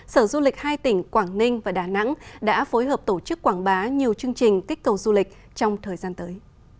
sở du lịch hai tỉnh quảng ninh và đà nẵng đã phối hợp tổ chức quảng bá nhiều chương trình kích cầu du lịch trong thời gian tới